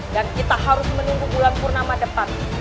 dan kita harus menunggu bulan purnama depan